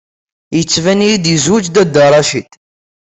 Ittban-iyi-d yewjed Dda Racid.